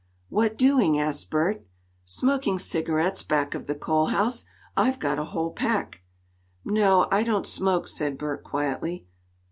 "What doing?" asked Bert. "Smoking cigarettes back of the coal house. I've got a whole pack." "No; I don't smoke," said Bert quietly.